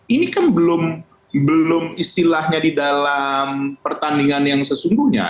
ini kan belum istilahnya di dalam pertandingan yang sesungguhnya